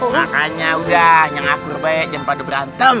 makanya udah yang aku berbaik jangan pada berantem